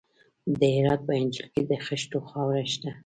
د هرات په انجیل کې د خښتو خاوره شته.